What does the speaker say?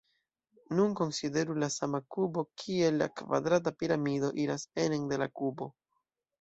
Nun konsideru la sama kubo kie la kvadrata piramido iras enen de la kubo.